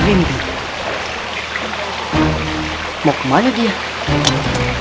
banyak orang di sini